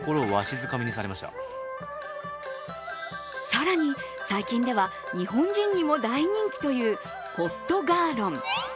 更に、最近では日本人にも大人気というホット・ガー・ロン。